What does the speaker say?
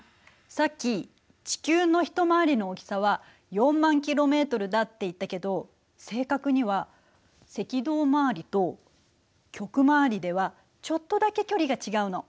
さっき地球の一回りの大きさは４０，０００ｋｍだって言ったけど正確には赤道周りと極周りではちょっとだけ距離が違うの。